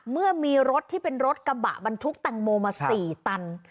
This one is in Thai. เมื่อมีรถที่เป็นรถกระบะบรรทุกแตงโมมา๔ตัน